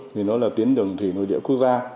vì nó là tuyến đường thủy nội địa quốc gia